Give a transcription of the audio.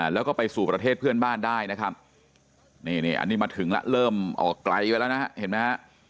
แล้วก็ไปสู่ประเทศเพื่อนบ้านได้นะครับนี่อันนี้มาถึงแล้วเริ่มออกไกลไปแล้วนะฮะเห็นไหมฮะ